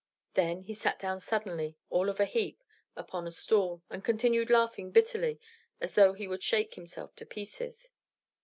Then he sat down suddenly, all of a heap, upon a stool, and continued laughing bitterly as though he would shake himself to pieces.